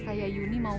saya mau berpeluh